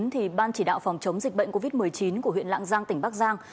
thì ban chỉ đạo phòng chống dịch bệnh covid một mươi chín của huyện lạng giang tỉnh bắc giang